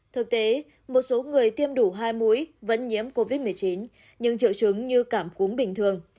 thực tế một số người tiêm đủ hai mũi vẫn nhiễm covid một mươi chín nhưng triệu chứng như cảm cúm bình thường